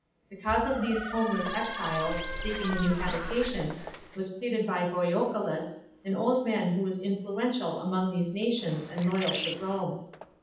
The cause of 'these homeless exiles, seeking a new habitation, was pleaded by Boiocalus, an old man who was influential among these nations and loyal to Rome.